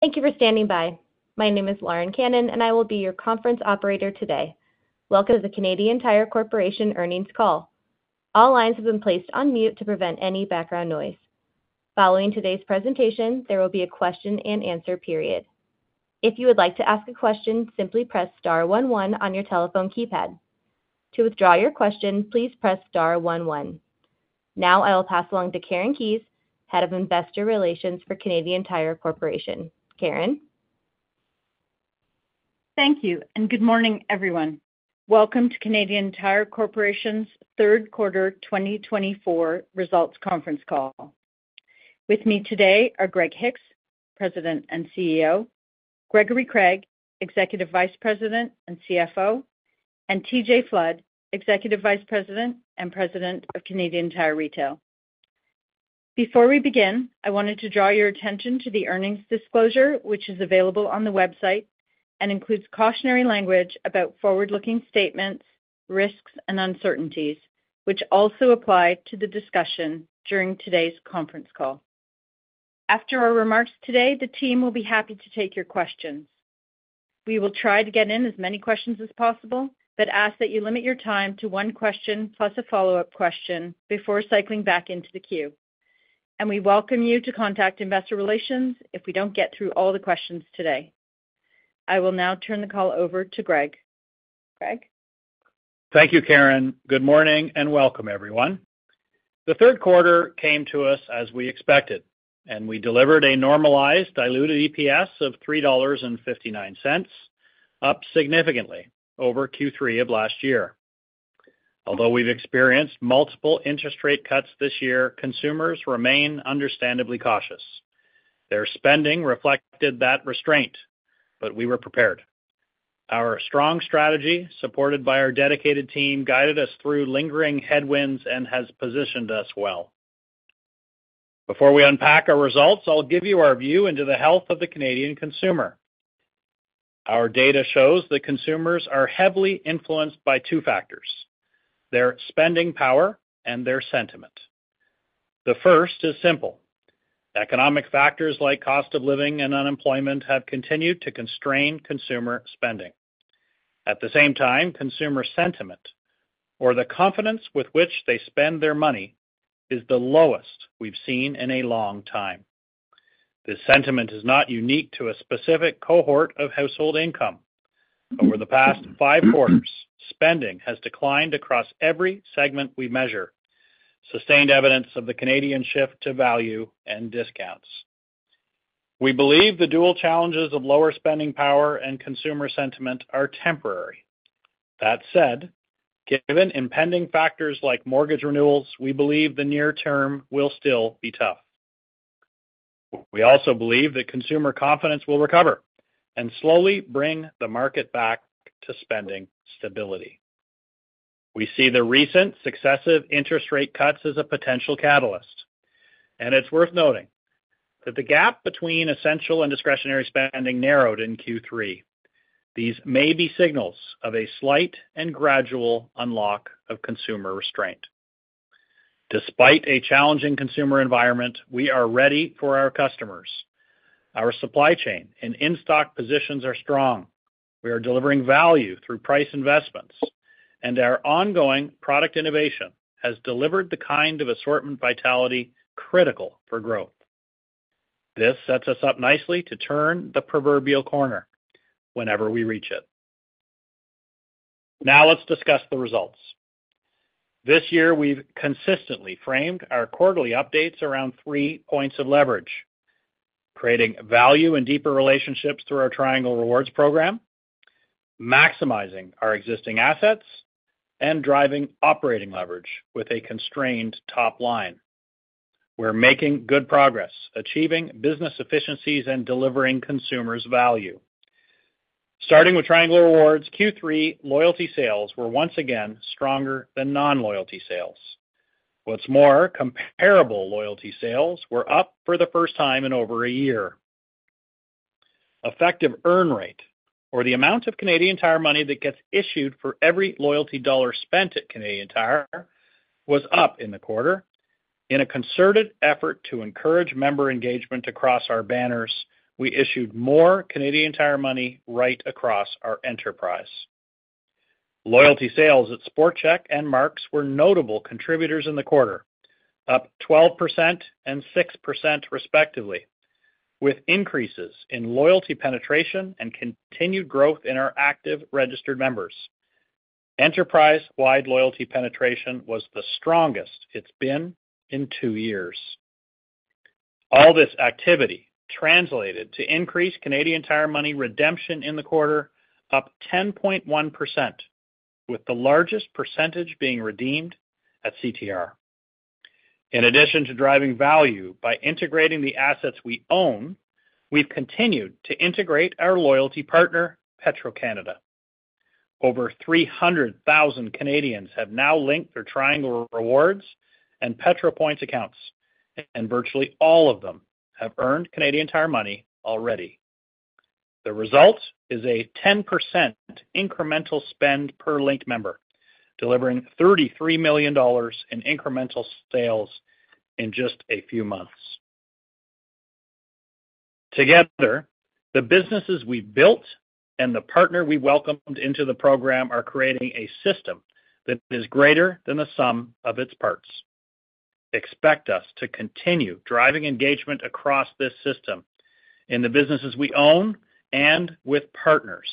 Thank you for standing by. My name is Lauren Cannon, and I will be your conference operator today. Welcome to the Canadian Tire Corporation earnings call. All lines have been placed on mute to prevent any background noise. Following today's presentation, there will be a question-and-answer period. If you would like to ask a question, simply press star one one on your telephone keypad. To withdraw your question, please press star one one. Now I will pass along to Karen Keyes, Head of Investor Relations for Canadian Tire Corporation. Karen? Thank you, and good morning, everyone. Welcome to Canadian Tire Corporation's Q3 2024 results conference call. With me today are Greg Hicks, President and CEO, Gregory Craig, Executive Vice President and CFO, and TJ Flood, Executive Vice President and President of Canadian Tire Retail. Before we begin, I wanted to draw your attention to the earnings disclosure, which is available on the website and includes cautionary language about forward-looking statements, risks, and uncertainties, which also apply to the discussion during today's conference call. After our remarks today, the team will be happy to take your questions. We will try to get in as many questions as possible but ask that you limit your time to one question plus a follow-up question before cycling back into the queue. We welcome you to contact investor relations if we don't get through all the questions today. I will now turn the call over to Greg. Greg? Thank you, Karen. Good morning and welcome, everyone. The Q3 came to us as we expected, and we delivered a normalized diluted EPS of $3.59, up significantly over Q3 of last year. Although we've experienced multiple interest rate cuts this year, consumers remain understandably cautious. Their spending reflected that restraint, but we were prepared. Our strong strategy, supported by our dedicated team, guided us through lingering headwinds and has positioned us well. Before we unpack our results, I'll give you our view into the health of the Canadian consumer. Our data shows that consumers are heavily influenced by two factors: their spending power and their sentiment. The first is simple: economic factors like cost of living and unemployment have continued to constrain consumer spending. At the same time, consumer sentiment, or the confidence with which they spend their money, is the lowest we've seen in a long time. This sentiment is not unique to a specific cohort of household income. Over the past five quarters, spending has declined across every segment we measure, sustained evidence of the Canadian shift to value and discounts. We believe the dual challenges of lower spending power and consumer sentiment are temporary. That said, given impending factors like mortgage renewals, we believe the near term will still be tough. We also believe that consumer confidence will recover and slowly bring the market back to spending stability. We see the recent successive interest rate cuts as a potential catalyst, and it's worth noting that the gap between essential and discretionary spending narrowed in Q3. These may be signals of a slight and gradual unlock of consumer restraint. Despite a challenging consumer environment, we are ready for our customers. Our supply chain and in-stock positions are strong. We are delivering value through price investments, and our ongoing product innovation has delivered the kind of assortment vitality critical for growth. This sets us up nicely to turn the proverbial corner whenever we reach it. Now let's discuss the results. This year, we've consistently framed our quarterly updates around three points of leverage: creating value and deeper relationships through our Triangle Rewards program, maximizing our existing assets, and driving operating leverage with a constrained top line. We're making good progress, achieving business efficiencies, and delivering consumers value. Starting with Triangle Rewards, Q3 loyalty sales were once again stronger than non-loyalty sales. What's more, comparable loyalty sales were up for the first time in over a year. Effective earn rate, or the amount of Canadian Tire Money that gets issued for every loyalty dollar spent at Canadian Tire, was up in the quarter. In a concerted effort to encourage member engagement across our banners, we issued more Canadian Tire Money right across our enterprise. Loyalty sales at SportChek and Mark's were notable contributors in the quarter, up 12% and 6% respectively, with increases in loyalty penetration and continued growth in our active registered members. Enterprise-wide loyalty penetration was the strongest it's been in two years. All this activity translated to increased Canadian Tire Money redemption in the quarter, up 10.1%, with the largest percentage being redeemed at CTR. In addition to driving value by integrating the assets we own, we've continued to integrate our loyalty partner, Petro-Canada. Over 300,000 Canadians have now linked their Triangle Rewards and Petro-Points accounts, and virtually all of them have earned Canadian Tire Money already. The result is a 10% incremental spend per linked member, delivering $33 million in incremental sales in just a few months. Together, the businesses we built and the partner we welcomed into the program are creating a system that is greater than the sum of its parts. Expect us to continue driving engagement across this system in the businesses we own and with partners,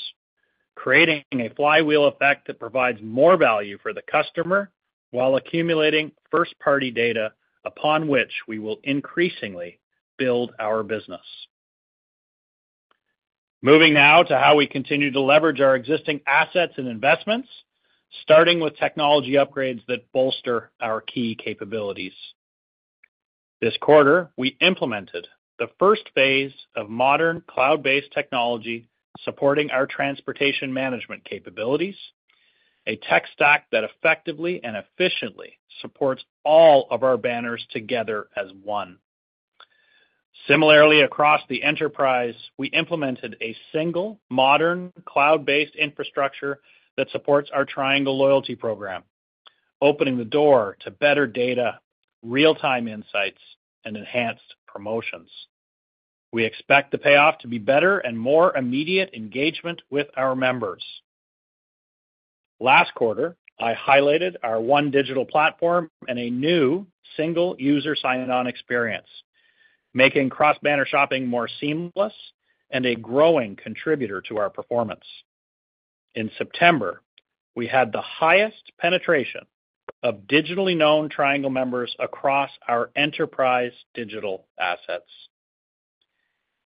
creating a flywheel effect that provides more value for the customer while accumulating first-party data, upon which we will increasingly build our business. Moving now to how we continue to leverage our existing assets and investments, starting with technology upgrades that bolster our key capabilities. This quarter, we implemented the first phase of modern cloud-based technology supporting our transportation management capabilities, a tech stack that effectively and efficiently supports all of our banners together as one. Similarly, across the enterprise, we implemented a single modern cloud-based infrastructure that supports our Triangle loyalty program, opening the door to better data, real-time insights, and enhanced promotions. We expect the payoff to be better and more immediate engagement with our members. Last quarter, I highlighted our one-digital platform and a new single user sign-on experience, making cross-banner shopping more seamless and a growing contributor to our performance. In September, we had the highest penetration of digitally known Triangle members across our enterprise digital assets.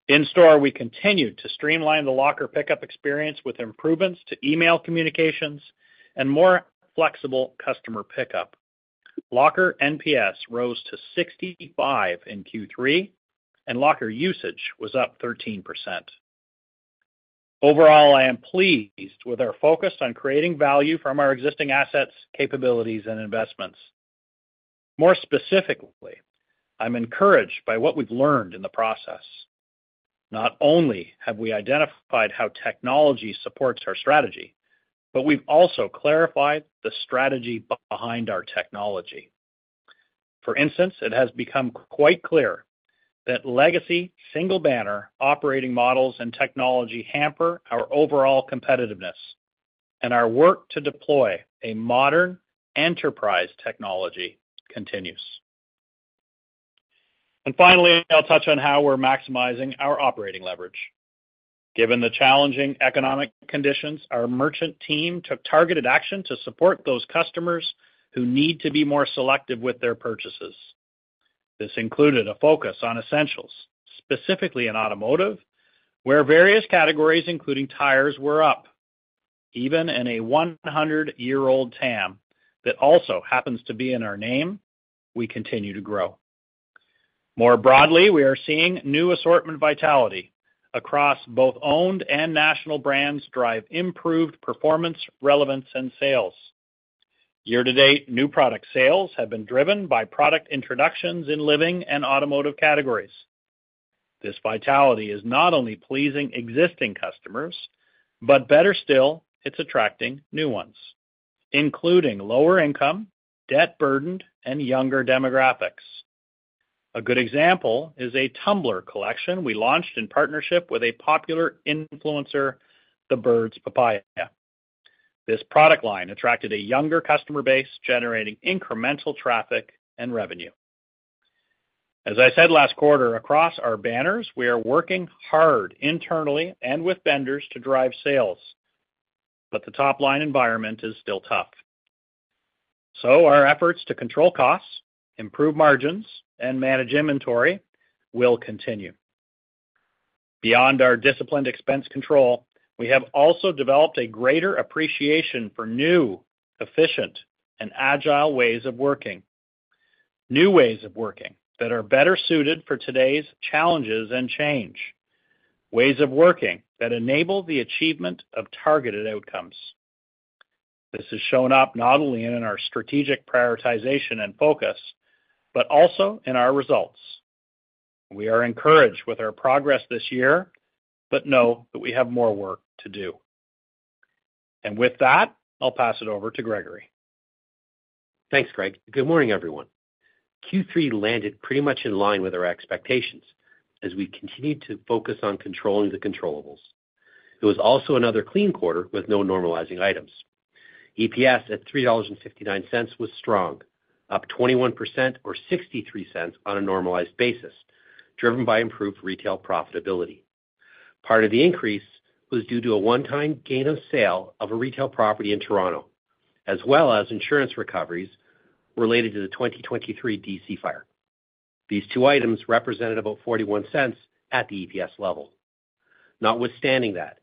In store, we continued to streamline the locker pickup experience with improvements to email communications and more flexible customer pickup. Locker NPS rose to 65 in Q3, and locker usage was up 13%. Overall, I am pleased with our focus on creating value from our existing assets, capabilities, and investments. More specifically, I'm encouraged by what we've learned in the process. Not only have we identified how technology supports our strategy, but we've also clarified the strategy behind our technology. For instance, it has become quite clear that legacy single-banner operating models and technology hamper our overall competitiveness, and our work to deploy a modern enterprise technology continues, and finally, I'll touch on how we're maximizing our operating leverage. Given the challenging economic conditions, our merchant team took targeted action to support those customers who need to be more selective with their purchases. This included a focus on essentials, specifically in automotive, where various categories, including tires, were up. Even in a 100-year-old TAM that also happens to be in our name, we continue to grow. More broadly, we are seeing new assortment vitality across both owned and national brands drive improved performance, relevance, and sales. Year-to-date, new product sales have been driven by product introductions in living and automotive categories. This vitality is not only pleasing existing customers, but better still, it's attracting new ones, including lower-income, debt-burdened, and younger demographics. A good example is a tumbler collection we launched in partnership with a popular influencer, The Birds Papaya. This product line attracted a younger customer base, generating incremental traffic and revenue. As I said last quarter, across our banners, we are working hard internally and with vendors to drive sales, but the top-line environment is still tough. So our efforts to control costs, improve margins, and manage inventory will continue. Beyond our disciplined expense control, we have also developed a greater appreciation for new, efficient, and agile ways of working. New ways of working that are better suited for today's challenges and change. Ways of working that enable the achievement of targeted outcomes. This has shown up not only in our strategic prioritization and focus, but also in our results. We are encouraged with our progress this year, but know that we have more work to do. And with that, I'll pass it over to Gregory. Thanks, Greg. Good morning, everyone. Q3 landed pretty much in line with our expectations as we continued to focus on controlling the controllables. It was also another clean quarter with no normalizing items. EPS at $3.59 was strong, up 21% or $0.63 on a normalized basis, driven by improved retail profitability. Part of the increase was due to a one-time gain of sale of a retail property in Toronto, as well as insurance recoveries related to the 2023 DC fire. These two items represented about $0.41 at the EPS level. Notwithstanding that,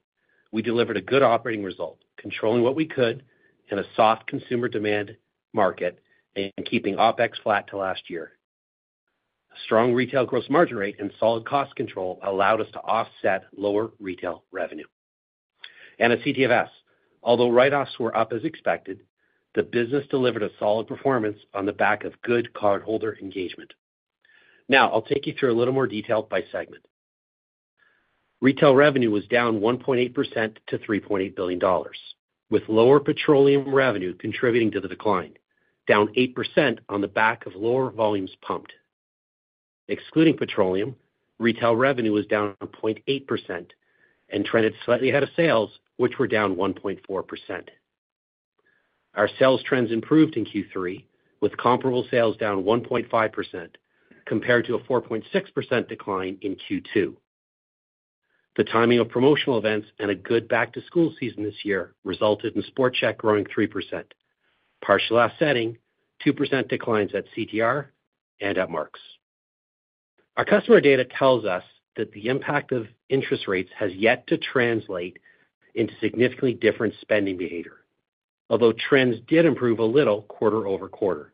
we delivered a good operating result, controlling what we could in a soft consumer demand market and keeping OpEx flat to last year. A strong retail gross margin rate and solid cost control allowed us to offset lower retail revenue. At CTFS, although write-offs were up as expected, the business delivered a solid performance on the back of good cardholder engagement. Now I'll take you through a little more detail by segment. Retail revenue was down 1.8% to $3.8 billion, with lower petroleum revenue contributing to the decline, down 8% on the back of lower volumes pumped. Excluding petroleum, retail revenue was down 0.8% and trended slightly ahead of sales, which were down 1.4%. Our sales trends improved in Q3, with comparable sales down 1.5% compared to a 4.6% decline in Q2. The timing of promotional events and a good back-to-school season this year resulted in SportChek growing 3%, partially offsetting 2% declines at CTR and at Mark's. Our customer data tells us that the impact of interest rates has yet to translate into significantly different spending behavior, although trends did improve a little quarter-over-quarter.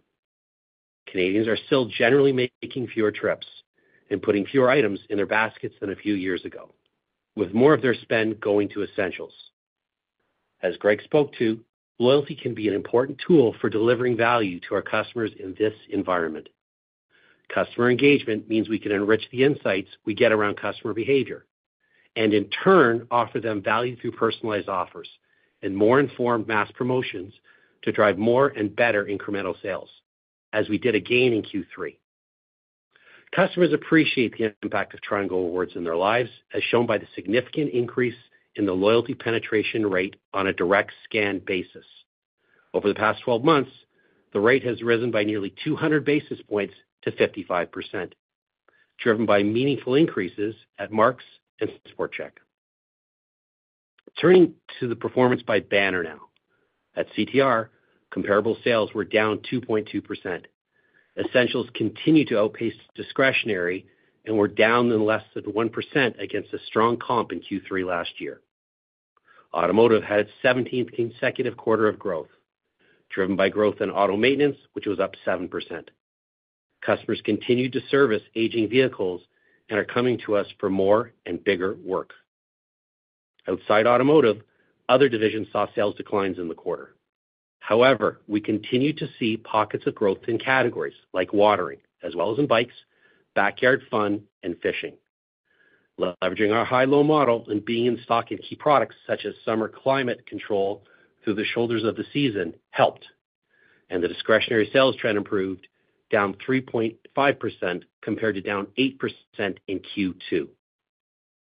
Canadians are still generally making fewer trips and putting fewer items in their baskets than a few years ago, with more of their spend going to essentials. As Greg spoke to, loyalty can be an important tool for delivering value to our customers in this environment. Customer engagement means we can enrich the insights we get around customer behavior and, in turn, offer them value through personalized offers and more informed mass promotions to drive more and better incremental sales, as we did again in Q3. Customers appreciate the impact of Triangle Rewards in their lives, as shown by the significant increase in the loyalty penetration rate on a direct scan basis. Over the past 12 months, the rate has risen by nearly 200 basis points to 55%, driven by meaningful increases at Mark's and SportChek. Turning to the performance by banner now. At CTR, comparable sales were down 2.2%. Essentials continued to outpace discretionary and were down less than 1% against a strong comp in Q3 last year. Automotive had its 17th consecutive quarter of growth, driven by growth in auto maintenance, which was up 7%. Customers continued to service aging vehicles and are coming to us for more and bigger work. Outside automotive, other divisions saw sales declines in the quarter. However, we continue to see pockets of growth in categories like watering, as well as in bikes, backyard fun, and fishing. Leveraging our high-low model and being in stock in key products such as summer climate control through the shoulders of the season helped, and the discretionary sales trend improved, down 3.5% compared to down 8% in Q2.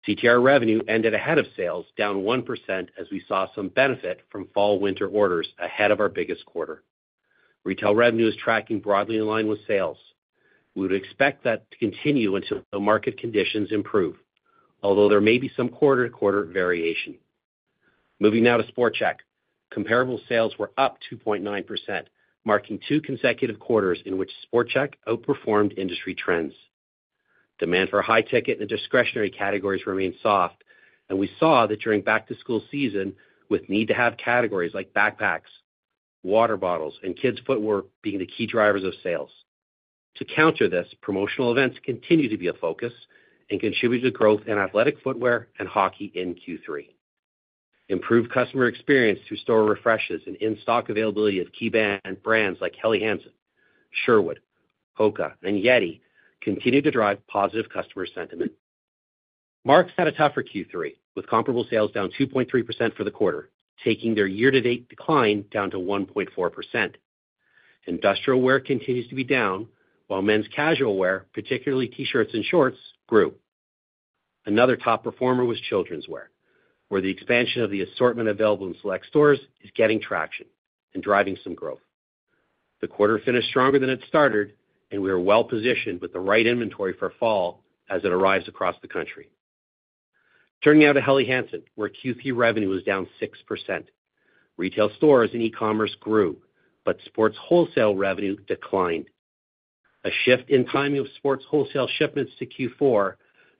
CTR revenue ended ahead of sales, down 1% as we saw some benefit from fall-winter orders ahead of our biggest quarter. Retail revenue is tracking broadly in line with sales. We would expect that to continue until market conditions improve, although there may be some quarter-to-quarter variation. Moving now to SportChek, comparable sales were up 2.9%, marking two consecutive quarters in which SportChek outperformed industry trends. Demand for high-ticket and discretionary categories remained soft, and we saw that during back-to-school season, with need-to-have categories like backpacks, water bottles, and kids' footwear being the key drivers of sales. To counter this, promotional events continue to be a focus and contribute to growth in athletic footwear and hockey in Q3. Improved customer experience through store refreshes and in-stock availability of key brands like Helly Hansen, Sherwood, Hoka, and Yeti continue to drive positive customer sentiment. Mark's had a tougher Q3, with comparable sales down 2.3% for the quarter, taking their year-to-date decline down to 1.4%. Industrial wear continues to be down, while men's casual wear, particularly t-shirts and shorts, grew. Another top performer was children's wear, where the expansion of the assortment available in select stores is getting traction and driving some growth. The quarter finished stronger than it started, and we are well-positioned with the right inventory for fall as it arrives across the country. Turning now to Helly Hansen, where Q3 revenue was down 6%. Retail stores and e-commerce grew, but sports wholesale revenue declined. A shift in timing of sports wholesale shipments to Q4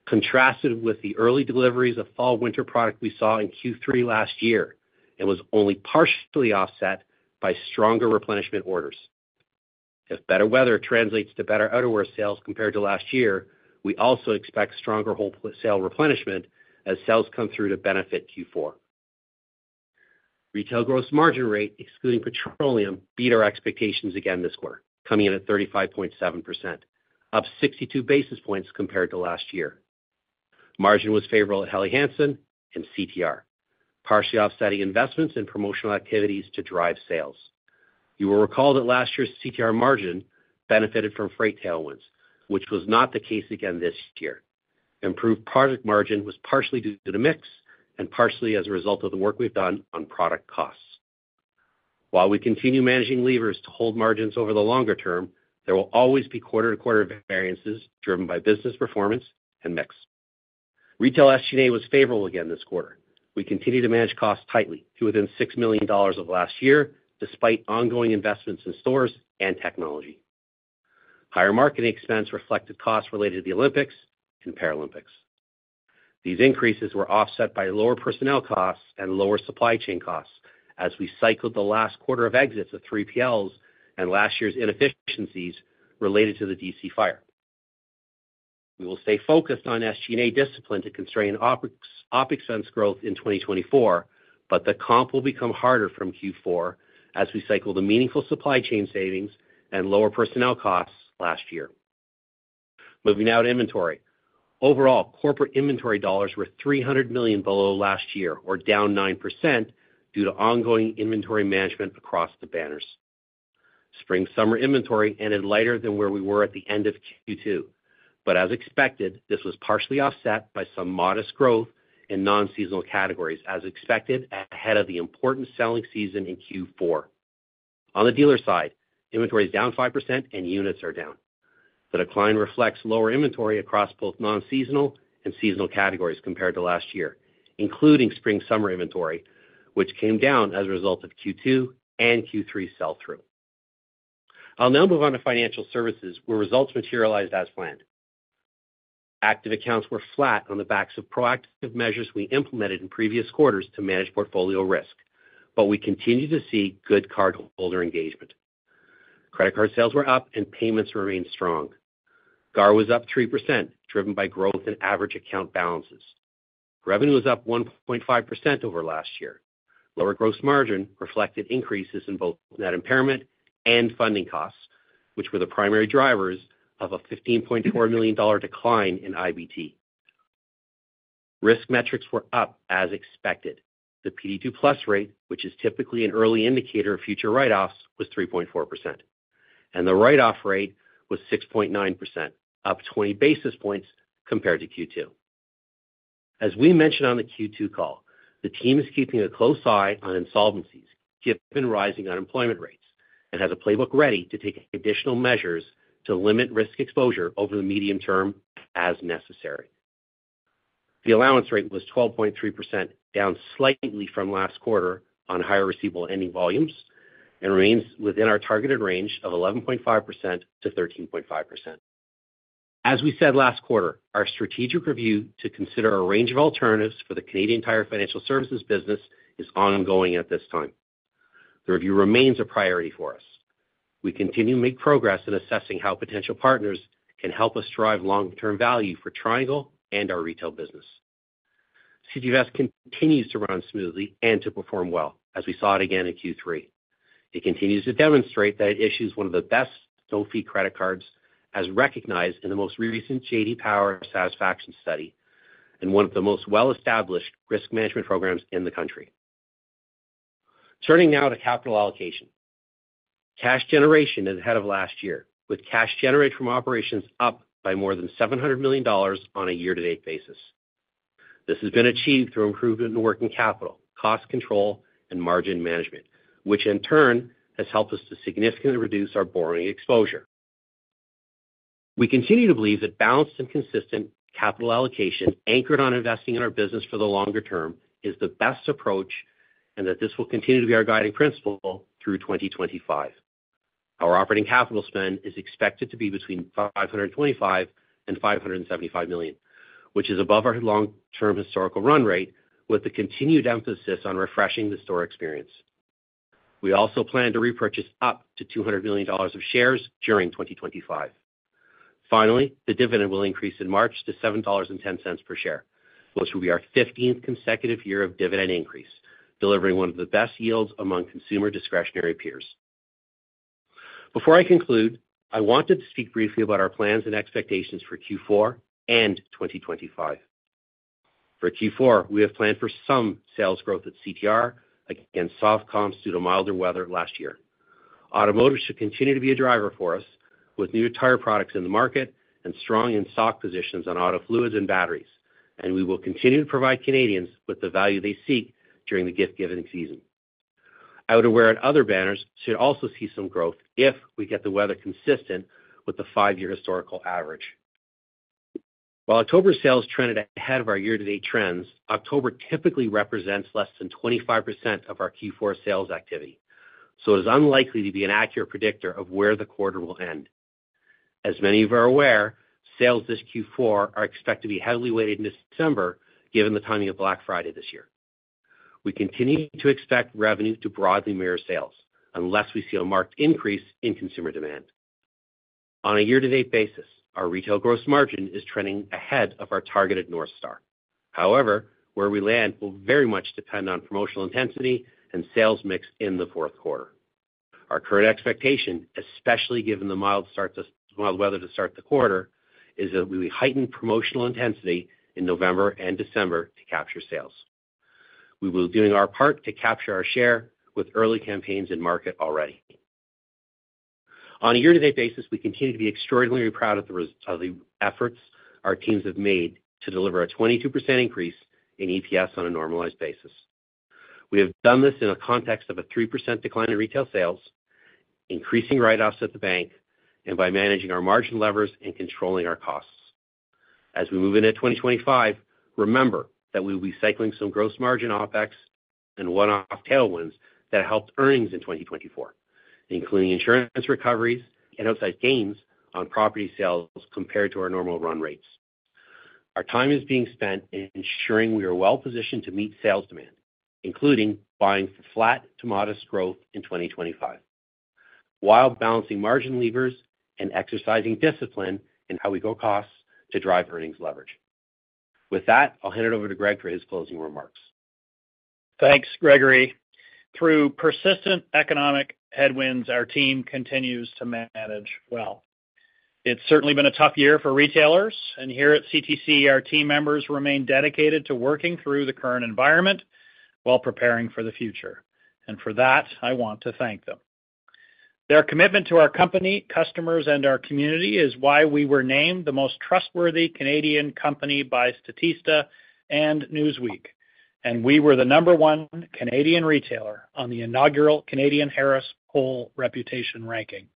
contrasted with the early deliveries of fall-winter product we saw in Q3 last year and was only partially offset by stronger replenishment orders. If better weather translates to better outerwear sales compared to last year, we also expect stronger wholesale replenishment as sales come through to benefit Q4. Retail gross margin rate, excluding petroleum, beat our expectations again this quarter, coming in at 35.7%, up 62 basis points compared to last year. Margin was favorable at Helly Hansen and CTR, partially offsetting investments and promotional activities to drive sales. You will recall that last year's CTR margin benefited from freight tailwinds, which was not the case again this year. Improved product margin was partially due to mix and partially as a result of the work we've done on product costs. While we continue managing levers to hold margins over the longer term, there will always be quarter-to-quarter variances driven by business performance and mix. Retail SG&A was favorable again this quarter. We continue to manage costs tightly to within $6 million of last year, despite ongoing investments in stores and technology. Higher marketing expense reflected costs related to the Olympics and Paralympics. These increases were offset by lower personnel costs and lower supply chain costs as we cycled the last quarter of exits of 3PLs and last year's inefficiencies related to the DC fire. We will stay focused on SG&A discipline to constrain OPEX spend growth in 2024, but the comp will become harder from Q4 as we cycle the meaningful supply chain savings and lower personnel costs last year. Moving now to inventory. Overall, corporate inventory dollars were $300 million below last year, or down 9% due to ongoing inventory management across the banners. Spring-summer inventory ended lighter than where we were at the end of Q2, but as expected, this was partially offset by some modest growth in non-seasonal categories, as expected ahead of the important selling season in Q4. On the dealer side, inventory is down 5% and units are down. The decline reflects lower inventory across both non-seasonal and seasonal categories compared to last year, including spring-summer inventory, which came down as a result of Q2 and Q3 sell-through. I'll now move on to financial services, where results materialized as planned. Active accounts were flat on the backs of proactive measures we implemented in previous quarters to manage portfolio risk, but we continue to see good cardholder engagement. Credit card sales were up and payments remained strong. GAR was up 3%, driven by growth in average account balances. Revenue was up 1.5% over last year. Lower gross margin reflected increases in both net impairment and funding costs, which were the primary drivers of a $15.4 million decline in IBT. Risk metrics were up as expected. The PD2+ rate, which is typically an early indicator of future write-offs, was 3.4%, and the write-off rate was 6.9%, up 20 basis points compared to Q2. As we mentioned on the Q2 call, the team is keeping a close eye on insolvencies, given rising unemployment rates, and has a playbook ready to take additional measures to limit risk exposure over the medium term as necessary. The allowance rate was 12.3%, down slightly from last quarter on higher receivable ending volumes, and remains within our targeted range of 11.5% to 13.5%. As we said last quarter, our strategic review to consider a range of alternatives for the Canadian Tire Financial Services business is ongoing at this time. The review remains a priority for us. We continue to make progress in assessing how potential partners can help us drive long-term value for Triangle and our retail business. CTFS continues to run smoothly and to perform well, as we saw it again in Q3. It continues to demonstrate that it issues one of the best toll-free credit cards, as recognized in the most recent J.D. Power Satisfaction Study, and one of the most well-established risk management programs in the country. Turning now to capital allocation. Cash generation is ahead of last year, with cash generated from operations up by more than $700 million on a year-to-date basis. This has been achieved through improvement in working capital, cost control, and margin management, which in turn has helped us to significantly reduce our borrowing exposure. We continue to believe that balanced and consistent capital allocation anchored on investing in our business for the longer term is the best approach and that this will continue to be our guiding principle through 2025. Our operating capital spend is expected to be between $525 million and $575 million, which is above our long-term historical run rate, with the continued emphasis on refreshing the store experience. We also plan to repurchase up to $200 million of shares during 2025. Finally, the dividend will increase in March to $7.10 per share, which will be our 15th consecutive year of dividend increase, delivering one of the best yields among consumer discretionary peers. Before I conclude, I wanted to speak briefly about our plans and expectations for Q4 and 2025. For Q4, we have planned for some sales growth at CTR against soft comps due to milder weather last year. Automotive should continue to be a driver for us, with new tire products in the market and strong in-stock positions on auto fluids and batteries, and we will continue to provide Canadians with the value they seek during the gift-giving season. Outerwear and other banners should also see some growth if we get the weather consistent with the five-year historical average. While October sales trended ahead of our year-to-date trends, October typically represents less than 25% of our Q4 sales activity, so it is unlikely to be an accurate predictor of where the quarter will end. As many of you are aware, sales this Q4 are expected to be heavily weighted in December, given the timing of Black Friday this year. We continue to expect revenue to broadly mirror sales, unless we see a marked increase in consumer demand. On a year-to-date basis, our retail gross margin is trending ahead of our targeted North Star. However, where we land will very much depend on promotional intensity and sales mix in the Q4. Our current expectation, especially given the mild weather to start the quarter, is that we will heighten promotional intensity in November and December to capture sales. We will be doing our part to capture our share with early campaigns in market already. On a year-to-date basis, we continue to be extraordinarily proud of the efforts our teams have made to deliver a 22% increase in EPS on a normalized basis. We have done this in a context of a 3% decline in retail sales, increasing write-offs at the bank, and by managing our margin levers and controlling our costs. As we move into 2025, remember that we will be cycling some gross margin OpEx and one-off tailwinds that helped earnings in 2024, including insurance recoveries and outside gains on property sales compared to our normal run rates. Our time is being spent in ensuring we are well-positioned to meet sales demand, including buying for flat to modest growth in 2025, while balancing margin levers and exercising discipline in how we go costs to drive earnings leverage. With that, I'll hand it over to Greg for his closing remarks. Thanks, Gregory. Through persistent economic headwinds, our team continues to manage well. It's certainly been a tough year for retailers, and here at CTC, our team members remain dedicated to working through the current environment while preparing for the future, and for that, I want to thank them. Their commitment to our company, customers, and our community is why we were named the most trustworthy Canadian company by Statista and Newsweek, and we were the number one Canadian retailer on the inaugural Canadian Harris Poll reputation ranking.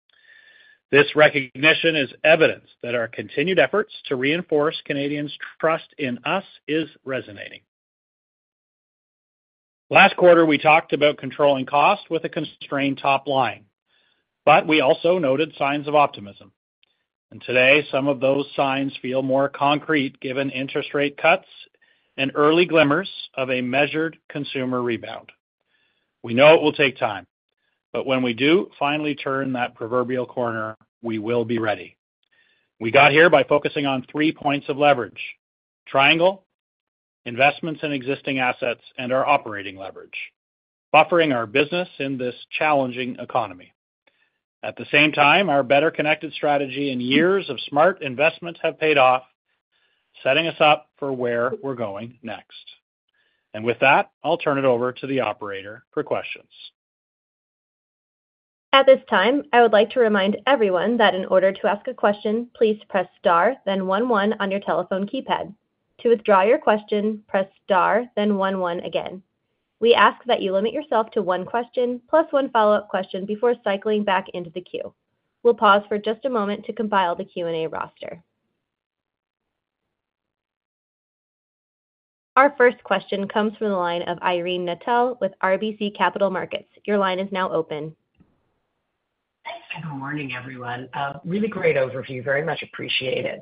This recognition is evidence that our continued efforts to reinforce Canadians' trust in us is resonating. Last quarter, we talked about controlling costs with a constrained top line, but we also noted signs of optimism, and today, some of those signs feel more concrete given interest rate cuts and early glimmers of a measured consumer rebound. We know it will take time, but when we do finally turn that proverbial corner, we will be ready. We got here by focusing on three points of leverage: Triangle, investments in existing assets, and our operating leverage, buffering our business in this challenging economy. At the same time, our better-connected strategy and years of smart investment have paid off, setting us up for where we're going next. And with that, I'll turn it over to the operator for questions. At this time, I would like to remind everyone that in order to ask a question, please press star, then one one on your telephone keypad. To withdraw your question, press star, then one one again. We ask that you limit yourself to one question plus one follow-up question before cycling back into the queue. We'll pause for just a moment to compile the Q&A roster. Our first question comes from the line of Irene Nattel with RBC Capital Markets. Your line is now open. Thanks. Good morning, everyone. Really great overview. Very much appreciated.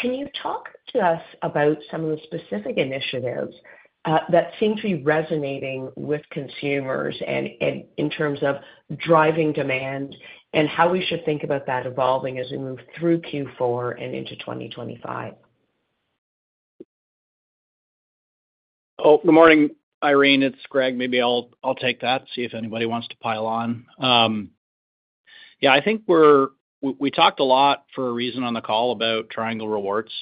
Can you talk to us about some of the specific initiatives that seem to be resonating with consumers in terms of driving demand and how we should think about that evolving as we move through Q4 and into 2025? Oh, good morning, Irene. It's Greg. Maybe I'll take that and see if anybody wants to pile on. Yeah, I think we talked a lot for a reason on the call about Triangle Rewards.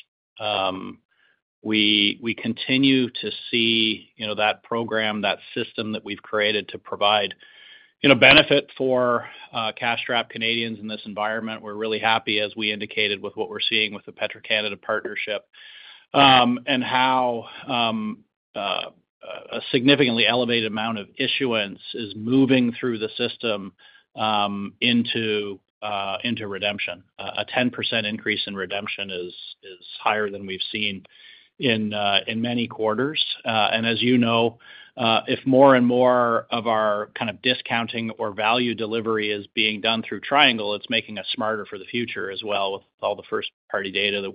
We continue to see that program, that system that we've created to provide benefit for cash-strapped Canadians in this environment. We're really happy, as we indicated, with what we're seeing with the Petro-Canada partnership and how a significantly elevated amount of issuance is moving through the system into redemption. A 10% increase in redemption is higher than we've seen in many quarters. And as you know, if more and more of our kind of discounting or value delivery is being done through Triangle, it's making us smarter for the future as well with all the first-party data that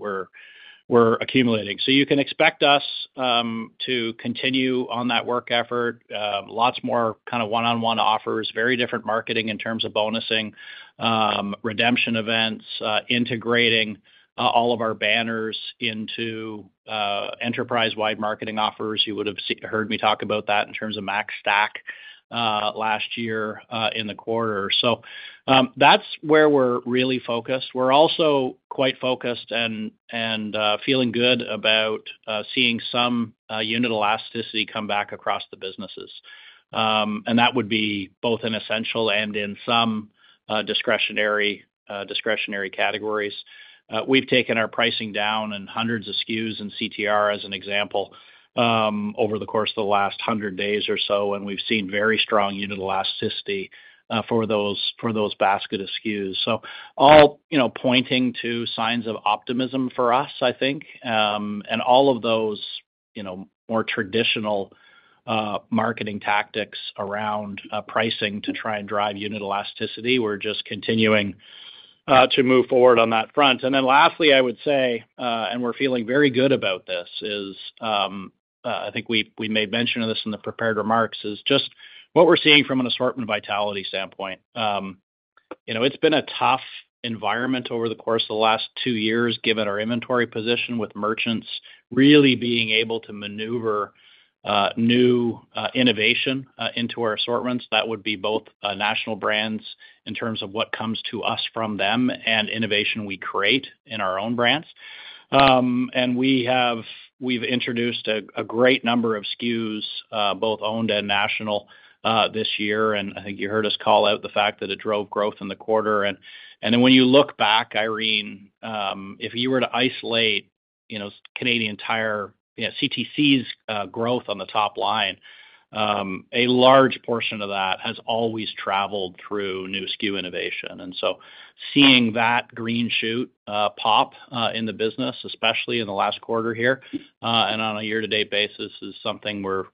we're accumulating. So you can expect us to continue on that work effort. Lots more kind of one-on-one offers, very different marketing in terms of bonusing, redemption events, integrating all of our banners into enterprise-wide marketing offers. You would have heard me talk about that in terms of Max Stack last year in the quarter. So that's where we're really focused. We're also quite focused and feeling good about seeing some unit elasticity come back across the businesses. And that would be both in essential and in some discretionary categories. We've taken our pricing down in hundreds of SKUs in CTR, as an example, over the course of the last 100 days or so, and we've seen very strong unit elasticity for those basket of SKUs, so all pointing to signs of optimism for us, I think, and all of those more traditional marketing tactics around pricing to try and drive unit elasticity. We're just continuing to move forward on that front, and then lastly, I would say, and we're feeling very good about this, is I think we made mention of this in the prepared remarks, is just what we're seeing from an assortment vitality standpoint. It's been a tough environment over the course of the last two years, given our inventory position with merchants really being able to maneuver new innovation into our assortments. That would be both national brands in terms of what comes to us from them and innovation we create in our own brands. And we've introduced a great number of SKUs, both owned and national, this year. And I think you heard us call out the fact that it drove growth in the quarter. And then when you look back, Irene, if you were to isolate Canadian Tire CTC's growth on the top line, a large portion of that has always traveled through new SKU innovation. And so seeing that green shoot pop in the business, especially in the last quarter here and on a year-to-date basis, is something we're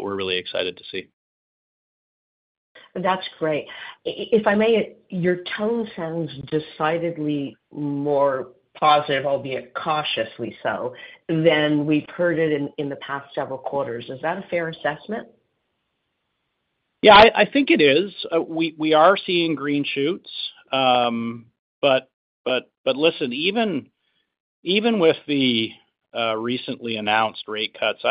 really excited to see. That's great. If I may, your tone sounds decidedly more positive, albeit cautiously so, than we've heard it in the past several quarters. Is that a fair assessment? Yeah, I think it is. We are seeing green shoots. Listen, even with the recently announced rate cuts,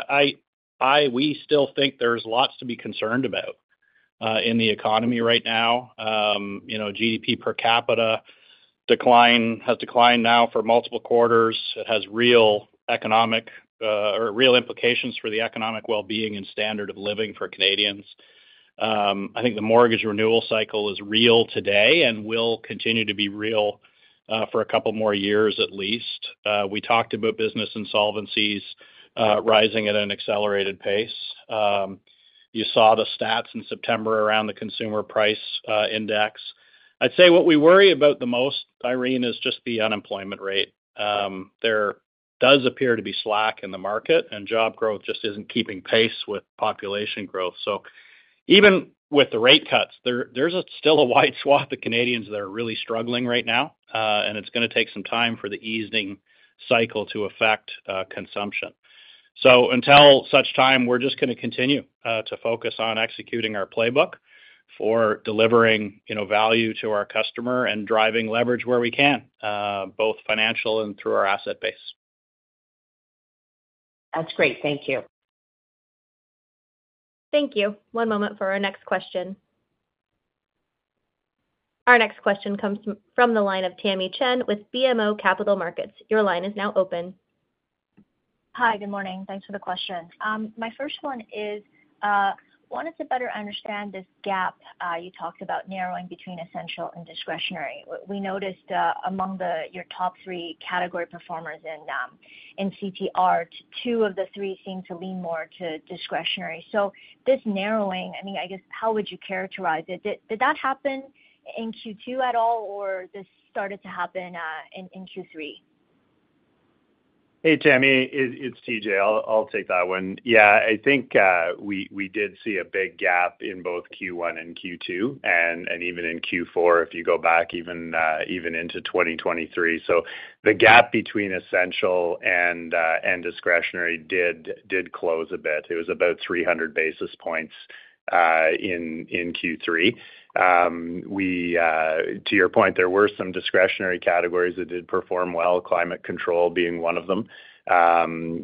we still think there's lots to be concerned about in the economy right now. GDP per capita has declined now for multiple quarters. It has real economic or real implications for the economic well-being and standard of living for Canadians. I think the mortgage renewal cycle is real today and will continue to be real for a couple more years, at least. We talked about business insolvencies rising at an accelerated pace. You saw the stats in September around the consumer price index. I'd say what we worry about the most, Irene, is just the unemployment rate. There does appear to be slack in the market, and job growth just isn't keeping pace with population growth. So even with the rate cuts, there's still a wide swath of Canadians that are really struggling right now, and it's going to take some time for the easing cycle to affect consumption. So until such time, we're just going to continue to focus on executing our playbook for delivering value to our customer and driving leverage where we can, both financial and through our asset base. That's great. Thank you. Thank you. One moment for our next question. Our next question comes from the line of Tammy Chen with BMO Capital Markets. Your line is now open. Hi, good morning. Thanks for the question. My first one is, I wanted to better understand this gap you talked about narrowing between essential and discretionary. We noticed among your top three category performers in CTR, two of the three seem to lean more to discretionary. So this narrowing, I mean, I guess, how would you characterize it? Did that happen in Q2 at all, or this started to happen in Q3? Hey, Tammy, it's TJ. I'll take that one. Yeah, I think we did see a big gap in both Q1 and Q2, and even in Q4, if you go back even into 2023. So the gap between essential and discretionary did close a bit. It was about 300 basis points in Q3. To your point, there were some discretionary categories that did perform well, climate control being one of them.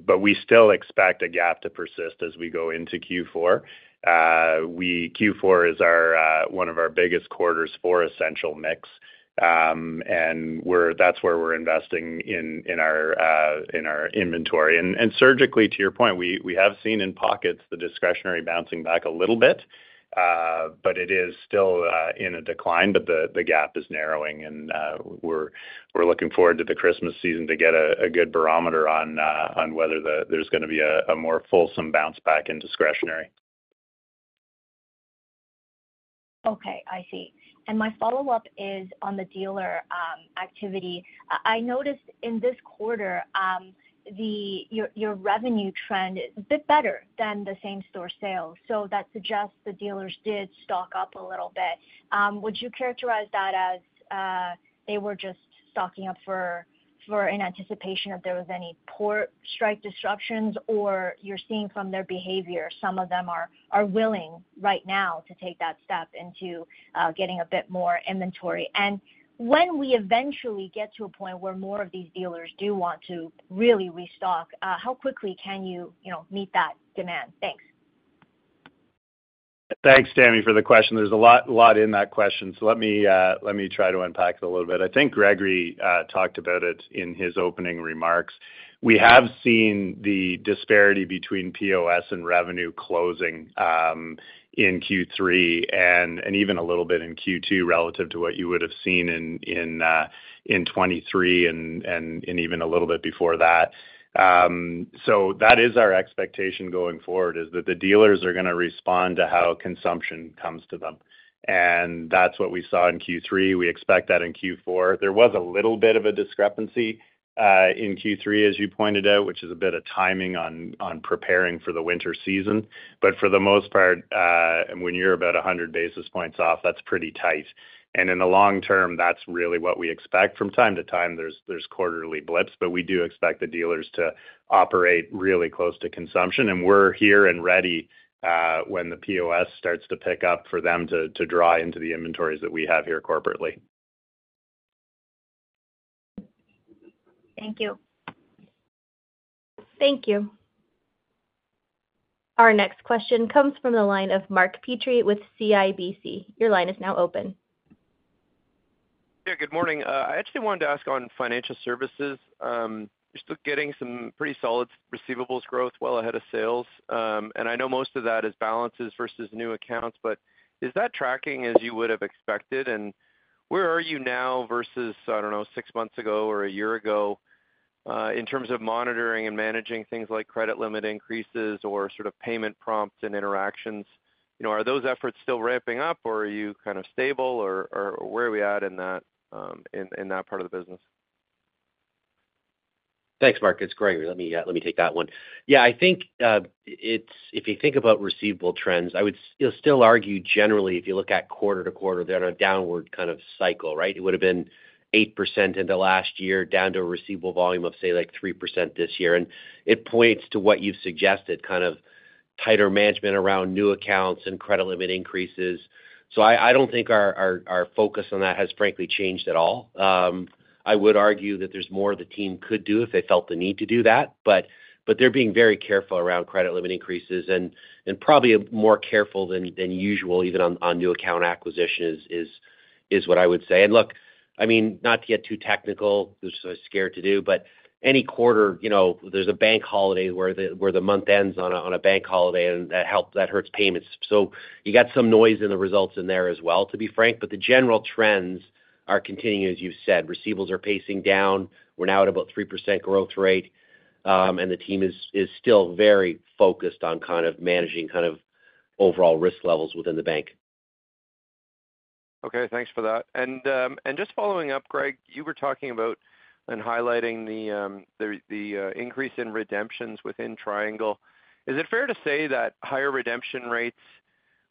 But we still expect a gap to persist as we go into Q4. Q4 is one of our biggest quarters for essential mix, and that's where we're investing in our inventory. And surgically, to your point, we have seen in pockets the discretionary bouncing back a little bit, but it is still in a decline. But the gap is narrowing, and we're looking forward to the Christmas season to get a good barometer on whether there's going to be a more fulsome bounce back in discretionary. Okay. I see. And my follow-up is on the dealer activity. I noticed in this quarter, your revenue trend is a bit better than the same-store sales. So that suggests the dealers did stock up a little bit. Would you characterize that as they were just stocking up in anticipation if there were any port strike disruptions, or you're seeing from their behavior, some of them are willing right now to take that step into getting a bit more inventory? When we eventually get to a point where more of these dealers do want to really restock, how quickly can you meet that demand? Thanks. Thanks, Tammy, for the question. There's a lot in that question, so let me try to unpack it a little bit. I think Gregory talked about it in his opening remarks. We have seen the disparity between POS and revenue closing in Q3 and even a little bit in Q2 relative to what you would have seen in 2023 and even a little bit before that. So that is our expectation going forward, is that the dealers are going to respond to how consumption comes to them. And that's what we saw in Q3. We expect that in Q4. There was a little bit of a discrepancy in Q3, as you pointed out, which is a bit of timing on preparing for the winter season. But for the most part, when you're about 100 basis points off, that's pretty tight. And in the long term, that's really what we expect. From time to time, there's quarterly blips, but we do expect the dealers to operate really close to consumption. And we're here and ready when the POS starts to pick up for them to draw into the inventories that we have here corporately. Thank you. Thank you. Our next question comes from the line of Mark Petrie with CIBC. Your line is now open. Yeah, good morning. I actually wanted to ask on financial services. You're still getting some pretty solid receivables growth well ahead of sales. And I know most of that is balances versus new accounts, but is that tracking as you would have expected? And where are you now versus, I don't know, six months ago or a year ago in terms of monitoring and managing things like credit limit increases or sort of payment prompts and interactions? Are those efforts still ramping up, or are you kind of stable, or where are we at in that part of the business? Thanks, Mark. It's Gregory. Let me take that one. Yeah, I think if you think about receivable trends, I would still argue generally, if you look at quarter to quarter, they're in a downward kind of cycle, right? It would have been 8% into last year, down to a receivable volume of, say, like 3% this year. It points to what you've suggested, kind of tighter management around new accounts and credit limit increases. I don't think our focus on that has frankly changed at all. I would argue that there's more the team could do if they felt the need to do that. They're being very careful around credit limit increases and probably more careful than usual, even on new account acquisition, is what I would say. Look, I mean, not to get too technical, which I was scared to do, but any quarter, there's a bank holiday where the month ends on a bank holiday, and that hurts payments. You got some noise in the results in there as well, to be frank. The general trends are continuing, as you've said. Receivables are pacing down. We're now at about 3% growth rate, and the team is still very focused on kind of managing kind of overall risk levels within the bank. Okay. Thanks for that. And just following up, Greg, you were talking about and highlighting the increase in redemptions within Triangle. Is it fair to say that higher redemption rates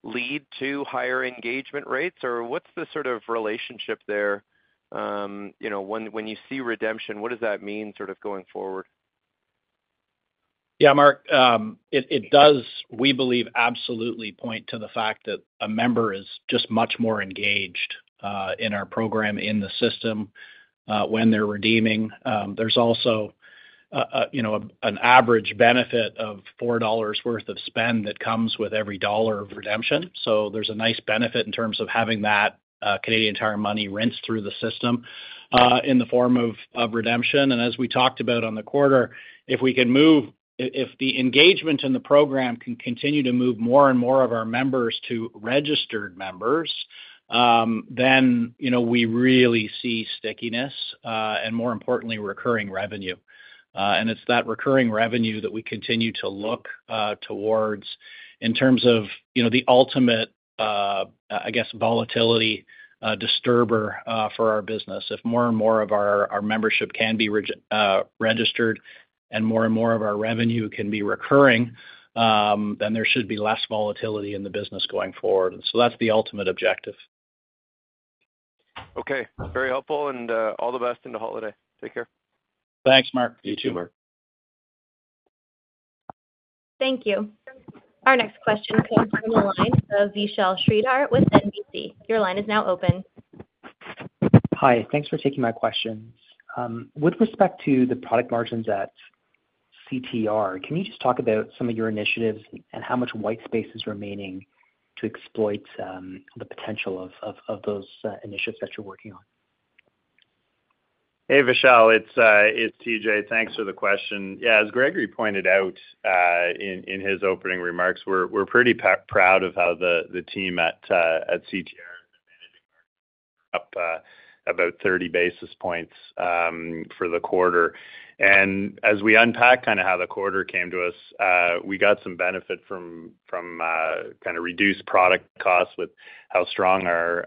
lead to higher engagement rates, or what's the sort of relationship there? When you see redemption, what does that mean sort of going forward? Yeah, Mark, it does, we believe, absolutely point to the fact that a member is just much more engaged in our program, in the system, when they're redeeming. There's also an average benefit of $4 worth of spend that comes with every dollar of redemption. So there's a nice benefit in terms of having that Canadian Tire money run through the system in the form of redemption. And as we talked about on the quarter, if we can move, if the engagement in the program can continue to move more and more of our members to registered members, then we really see stickiness and, more importantly, recurring revenue. And it's that recurring revenue that we continue to look towards in terms of the ultimate, I guess, volatility disturber for our business. If more and more of our membership can be registered and more and more of our revenue can be recurring, then there should be less volatility in the business going forward. And so that's the ultimate objective. Okay. Very helpful, and all the best in the holiday. Take care. Thanks, Mark. You too, Mark. Thank you. Our next question comes from the line of Vishal Shreedhar with NBC. Your line is now open. Hi. Thanks for taking my questions. With respect to the product margins at CTR, can you just talk about some of your initiatives and how much white space is remaining to exploit the potential of those initiatives that you're working on? Hey, Vishal. It's TJ. Thanks for the question. Yeah, as Gregory pointed out in his opening remarks, we're pretty proud of how the team at CTR is managing about 30 basis points for the quarter. And as we unpack kind of how the quarter came to us, we got some benefit from kind of reduced product costs with how strong our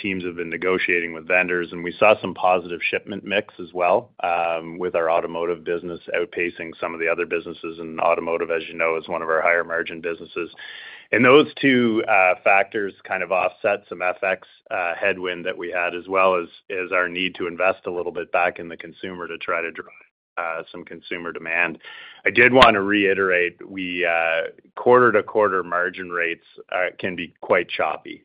teams have been negotiating with vendors. And we saw some positive shipment mix as well with our automotive business outpacing some of the other businesses. And automotive, as you know, is one of our higher margin businesses. Those two factors kind of offset some FX headwind that we had, as well as our need to invest a little bit back in the consumer to try to drive some consumer demand. I did want to reiterate, quarter-to-quarter margin rates can be quite choppy.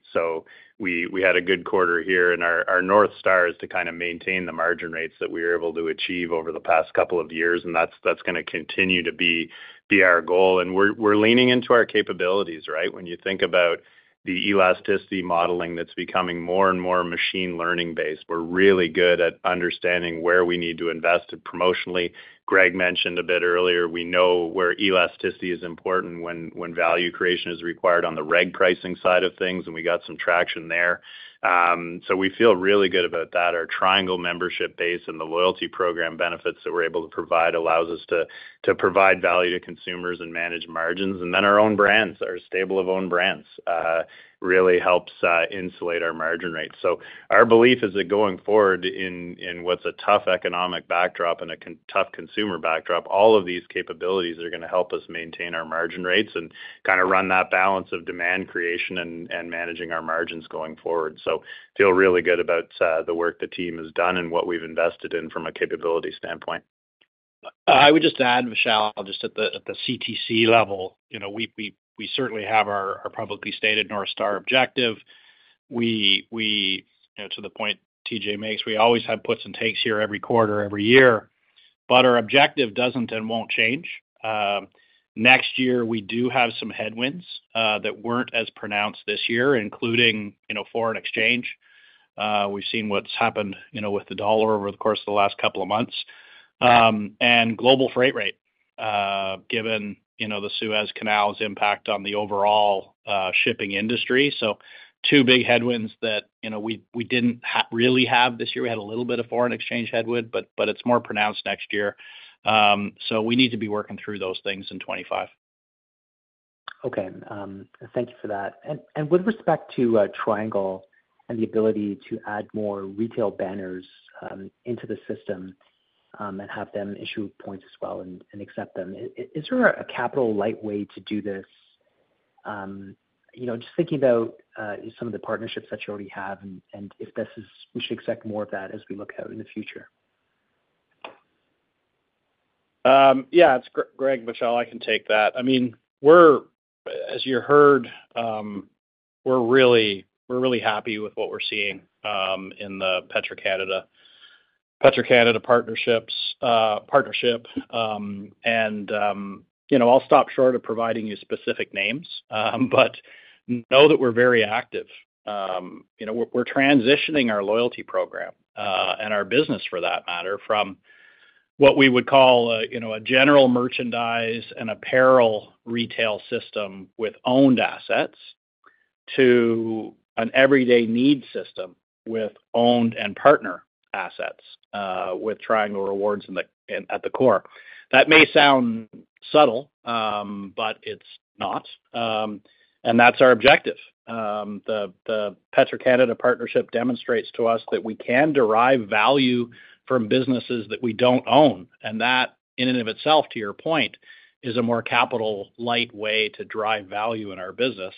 We had a good quarter here, and our North Star is to kind of maintain the margin rates that we were able to achieve over the past couple of years. That's going to continue to be our goal. We're leaning into our capabilities, right? When you think about the elasticity modeling that's becoming more and more machine learning-based, we're really good at understanding where we need to invest promotionally. Greg mentioned a bit earlier, we know where elasticity is important when value creation is required on the Reg pricing side of things, and we got some traction there. So we feel really good about that. Our Triangle membership base and the loyalty program benefits that we're able to provide allow us to provide value to consumers and manage margins. And then our own brands, our stable of own brands, really helps insulate our margin rates. Our belief is that going forward, in what's a tough economic backdrop and a tough consumer backdrop, all of these capabilities are going to help us maintain our margin rates and kind of run that balance of demand creation and managing our margins going forward. I feel really good about the work the team has done and what we've invested in from a capability standpoint. I would just add, Vishal, just at the CTC level, we certainly have our publicly stated North Star objective. To the point TJ makes, we always have puts and takes here every quarter, every year, but our objective doesn't and won't change. Next year, we do have some headwinds that weren't as pronounced this year, including foreign exchange. We've seen what's happened with the dollar over the course of the last couple of months and global freight rate, given the Suez Canal's impact on the overall shipping industry. So two big headwinds that we didn't really have this year. We had a little bit of foreign exchange headwind, but it's more pronounced next year. So we need to be working through those things in 2025. Okay. Thank you for that and with respect to Triangle and the ability to add more retail banners into the system and have them issue points as well and accept them, is there a capital-light way to do this? Just thinking about some of the partnerships that you already have and if we should expect more of that as we look out in the future. Yeah, Greg, Vishal, I can take that. I mean, as you heard, we're really happy with what we're seeing in the Petro-Canada partnership. And I'll stop short of providing you specific names, but know that we're very active. We're transitioning our loyalty program and our business, for that matter, from what we would call a general merchandise and apparel retail system with owned assets to an everyday need system with owned and partner assets with Triangle Rewards at the core. That may sound subtle, but it's not. And that's our objective. The Petro-Canada partnership demonstrates to us that we can derive value from businesses that we don't own. And that, in and of itself, to your point, is a more capital lightweight way to drive value in our business.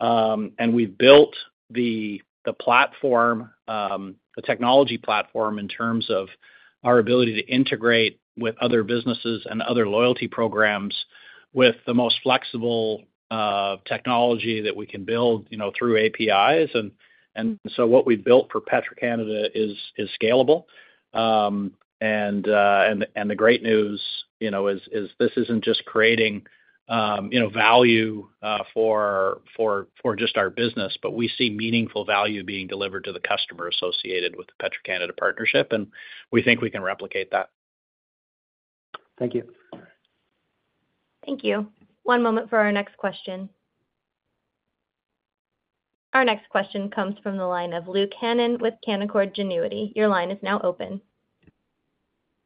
And we've built the technology platform in terms of our ability to integrate with other businesses and other loyalty programs with the most flexible technology that we can build through APIs. And so what we've built for Petro-Canada is scalable. And the great news is this isn't just creating value for just our business, but we see meaningful value being delivered to the customer associated with the Petro-Canada partnership, and we think we can replicate that. Thank you. Thank you. One moment for our next question. Our next question comes from the line of Luke Hannan with Canaccord Genuity. Your line is now open.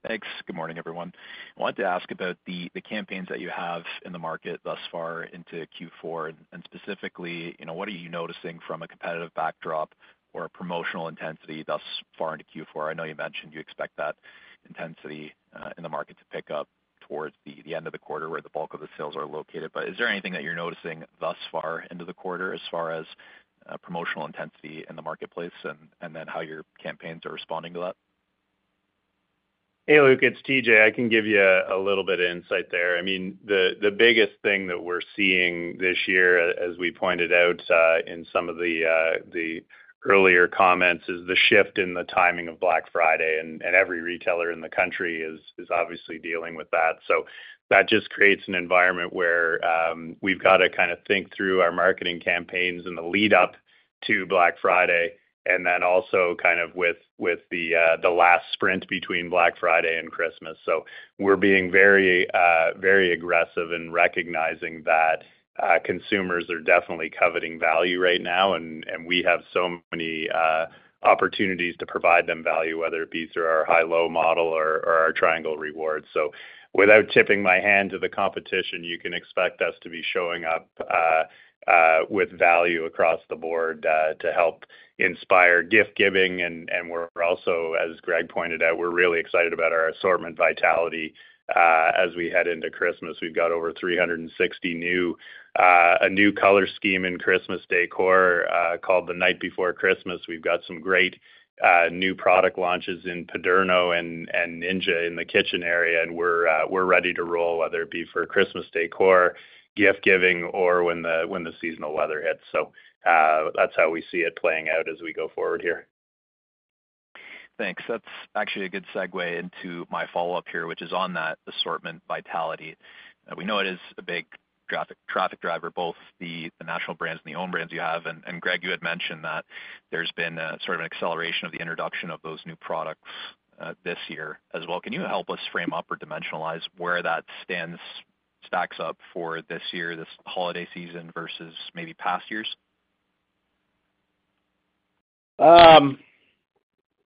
Thanks. Good morning, everyone. I wanted to ask about the campaigns that you have in the market thus far into Q4, and specifically, what are you noticing from a competitive backdrop or a promotional intensity thus far into Q4? I know you mentioned you expect that intensity in the market to pick up towards the end of the quarter where the bulk of the sales are located, but is there anything that you're noticing thus far into the quarter as far as promotional intensity in the marketplace and then how your campaigns are responding to that? Hey, Luke, it's TJ. I can give you a little bit of insight there. I mean, the biggest thing that we're seeing this year, as we pointed out in some of the earlier comments, is the shift in the timing of Black Friday, and every retailer in the country is obviously dealing with that. So that just creates an environment where we've got to kind of think through our marketing campaigns in the lead-up to Black Friday and then also kind of with the last sprint between Black Friday and Christmas. So we're being very aggressive in recognizing that consumers are definitely coveting value right now, and we have so many opportunities to provide them value, whether it be through our high-low model or our Triangle Rewards. So without tipping my hand to the competition, you can expect us to be showing up with value across the board to help inspire gift-giving. And we're also, as Greg pointed out, we're really excited about our assortment vitality as we head into Christmas. We've got over 360 new, a new color scheme in Christmas decor called The Night Before Christmas. We've got some great new product launches in Paderno and Ninja in the kitchen area, and we're ready to roll, whether it be for Christmas decor, gift-giving, or when the seasonal weather hits. So that's how we see it playing out as we go forward here. Thanks. That's actually a good segue into my follow-up here, which is on that assortment vitality. We know it is a big traffic driver, both the national brands and the own brands you have. And Greg, you had mentioned that there's been sort of an acceleration of the introduction of those new products this year as well. Can you help us frame up or dimensionalize where that stacks up for this year, this holiday season versus maybe past years?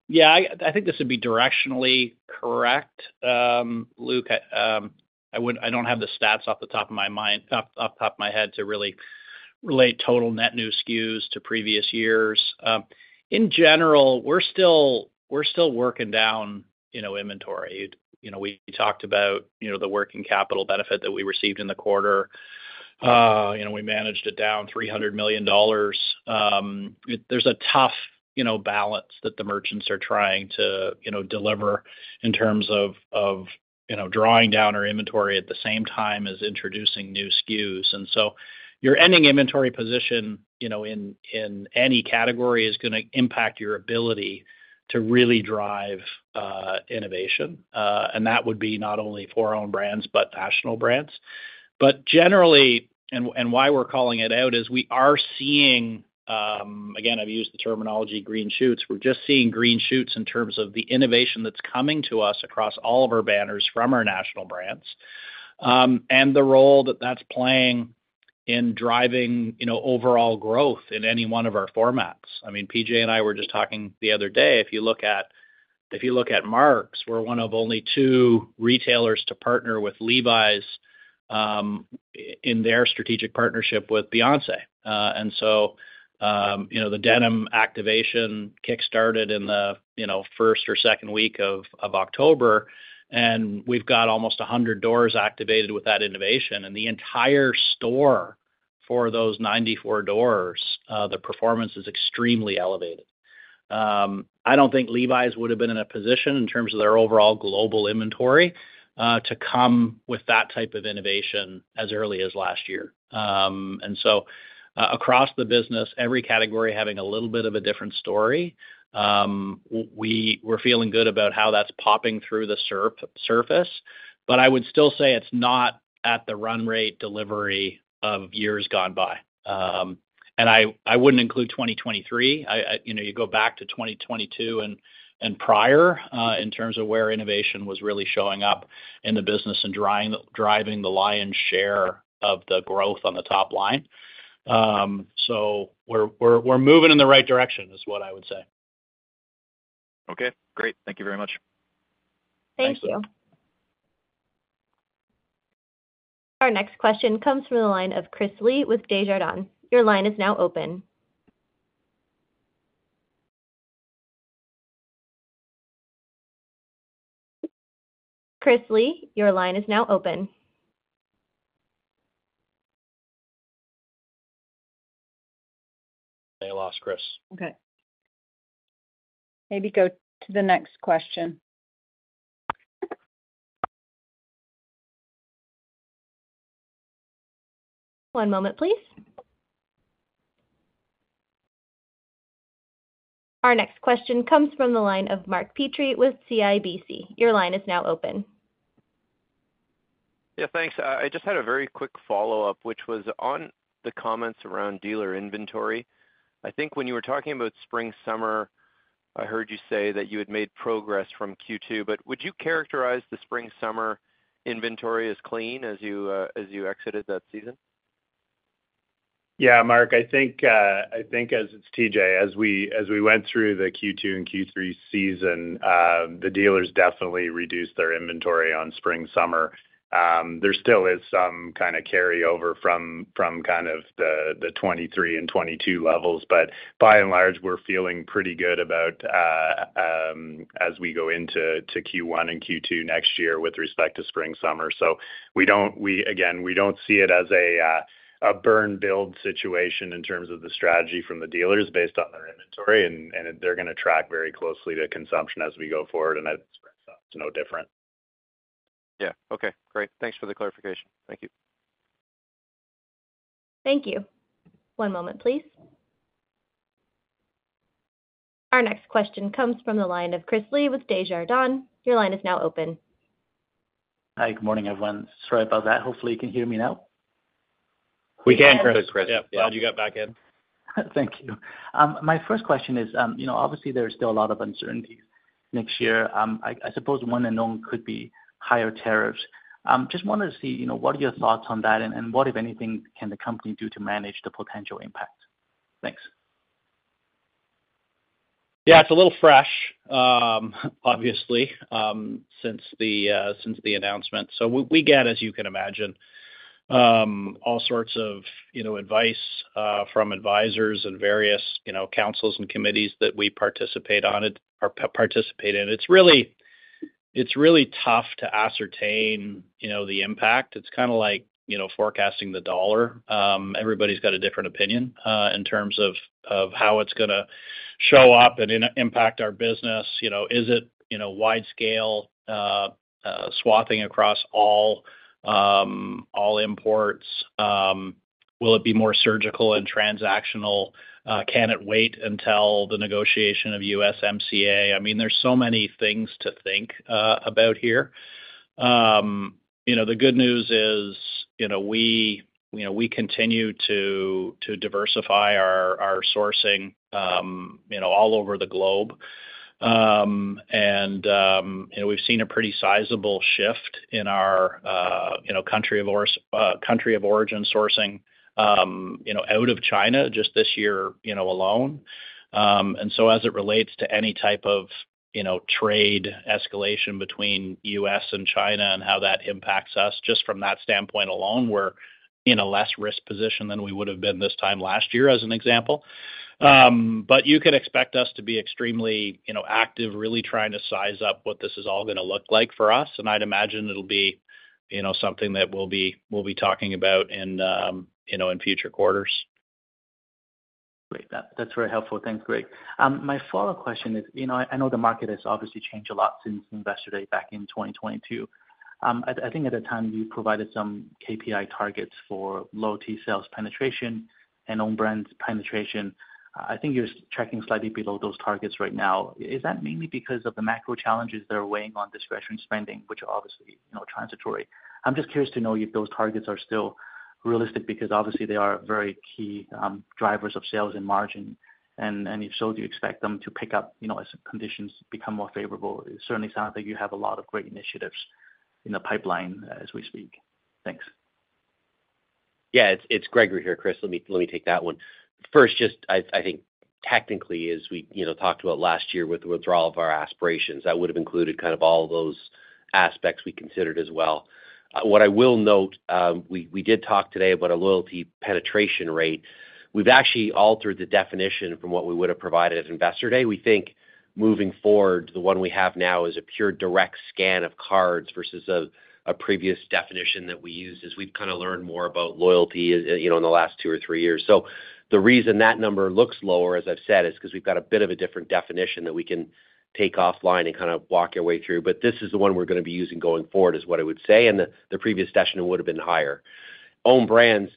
Yeah, I think this would be directionally correct. Luke, I don't have the stats off the top of my head to really relate total net new SKUs to previous years. In general, we're still working down inventory. We talked about the working capital benefit that we received in the quarter. We managed it down $300 million. There's a tough balance that the merchants are trying to deliver in terms of drawing down our inventory at the same time as introducing new SKUs. And so your ending inventory position in any category is going to impact your ability to really drive innovation. And that would be not only for our own brands but national brands. But generally, and why we're calling it out is we are seeing, again, I've used the terminology green shoots, we're just seeing green shoots in terms of the innovation that's coming to us across all of our banners from our national brands and the role that that's playing in driving overall growth in any one of our formats. I mean, PJ and I were just talking the other day. If you look at Mark's, we're one of only two retailers to partner with Levi's in their strategic partnership with Beyoncé. And so the denim activation kickstarted in the first or second week of October, and we've got almost 100 doors activated with that innovation. And the entire store for those 94 doors, the performance is extremely elevated. I don't think Levi's would have been in a position in terms of their overall global inventory to come with that type of innovation as early as last year. And so across the business, every category having a little bit of a different story, we're feeling good about how that's popping through the surface. But I would still say it's not at the run rate delivery of years gone by. And I wouldn't include 2023. You go back to 2022 and prior in terms of where innovation was really showing up in the business and driving the lion's share of the growth on the top line. So we're moving in the right direction, is what I would say. Okay. Great. Thank you very much. Thank you. Our next question comes from the line of Chris Li with Desjardins. Your line is now open. Chris Li, your line is now open. I lost Chris. Okay. Maybe go to the next question. One moment, please. Our next question comes from the line of Mark Petrie with CIBC. Your line is now open. Yeah, thanks. I just had a very quick follow-up, which was on the comments around dealer inventory. I think when you were talking about spring-summer, I heard you say that you had made progress from Q2. But would you characterize the spring-summer inventory as clean as you exited that season? Yeah, Mark, it's TJ. As we went through the Q2 and Q3 season, the dealers definitely reduced their inventory on spring-summer. There still is some kind of carryover from kind of the 2023 and 2022 levels. But by and large, we're feeling pretty good as we go into Q1 and Q2 next year with respect to spring-summer. So again, we don't see it as a burn-build situation in terms of the strategy from the dealers based on their inventory. And they're going to track very closely to consumption as we go forward, and I think that's no different. Yeah. Okay. Great. Thanks for the clarification. Thank you. Thank you. One moment, please. Our next question comes from the line of Chris Li with Desjardins. Your line is now open. Hi. Good morning, everyone. Sorry about that. Hopefully, you can hear me now. We can, Chris. Yep. Glad you got back in. Thank you. My first question is, obviously, there are still a lot of uncertainties next year. I suppose one and only could be higher tariffs. Just wanted to see what are your thoughts on that and what, if anything, can the company do to manage the potential impact? Thanks. Yeah, it's a little fresh, obviously, since the announcement, so we get, as you can imagine, all sorts of advice from advisors and various councils and committees that we participate in. It's really tough to ascertain the impact. It's kind of like forecasting the dollar. Everybody's got a different opinion in terms of how it's going to show up and impact our business. Is it wide-scale swathing across all imports? Will it be more surgical and transactional? Can it wait until the negotiation of USMCA? I mean, there's so many things to think about here. The good news is we continue to diversify our sourcing all over the globe, and we've seen a pretty sizable shift in our country of origin sourcing out of China just this year alone. And so as it relates to any type of trade escalation between U.S. and China and how that impacts us, just from that standpoint alone, we're in a less risk position than we would have been this time last year, as an example. But you can expect us to be extremely active, really trying to size up what this is all going to look like for us. And I'd imagine it'll be something that we'll be talking about in future quarters. Great. That's very helpful. Thanks, Greg. My follow-up question is, I know the market has obviously changed a lot since investor day back in 2022. I think at the time you provided some KPI targets for loyalty sales penetration and own brands penetration. I think you're tracking slightly below those targets right now. Is that mainly because of the macro challenges that are weighing on discretionary spending, which are obviously transitory? I'm just curious to know if those targets are still realistic because, obviously, they are very key drivers of sales and margin. And if so, do you expect them to pick up as conditions become more favorable? It certainly sounds like you have a lot of great initiatives in the pipeline as we speak. Thanks. Yeah, it's Gregory here, Chris. Let me take that one. First, just I think tactically, as we talked about last year with the withdrawal of our aspirations, that would have included kind of all those aspects we considered as well. What I will note, we did talk today about a loyalty penetration rate. We've actually altered the definition from what we would have provided at investor day. We think moving forward, the one we have now is a pure direct scan of cards versus a previous definition that we used as we've kind of learned more about loyalty in the last two or three years, so the reason that number looks lower, as I've said, is because we've got a bit of a different definition that we can take offline and kind of walk you through, but this is the one we're going to be using going forward, is what I would say, and the previous version would have been higher. Own brands,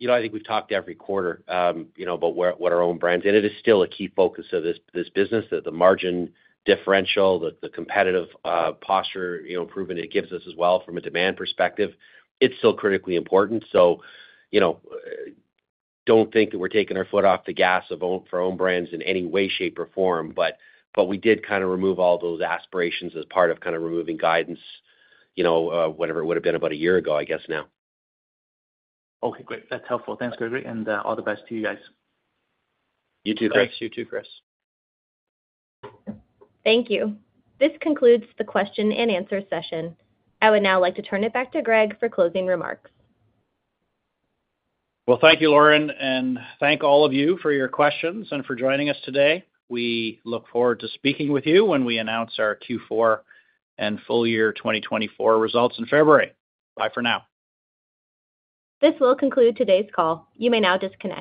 I think we've talked every quarter about what our own brands, and it is still a key focus of this business, that the margin differential, the competitive posture, improvement it gives us as well from a demand perspective. It's still critically important. So don't think that we're taking our foot off the gas for own brands in any way, shape, or form. But we did kind of remove all those aspirations as part of kind of removing guidance, whatever it would have been about a year ago, I guess, now. Okay. Great. That's helpful. Thanks, Gregory. And all the best to you guys. You too, Chris. Thanks. You too, Chris. Thank you. This concludes the question and answer session. I would now like to turn it back to Greg for closing remarks Well, thank you, Lauren. And thank all of you for your questions and for joining us today. We look forward to speaking with you when we announce our Q4 and full-year 2024 results in February. Bye for now. This will conclude today's call. You may now disconnect.